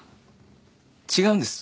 違うんです。